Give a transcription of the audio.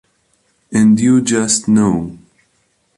And you just know.